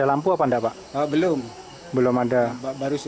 ibu tinggal sudah lima hari